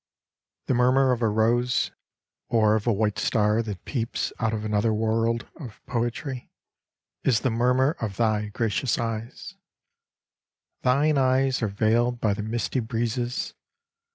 The murmur of a rose. Or of a white star that peeps Out of another world of poetry, Is the murmur of thy gracious eyes : Thine eyes are veiled by the misty breezes.